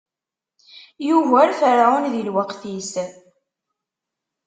Yugar ferɛun di lweqt-is.